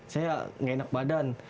saya nggak enak badan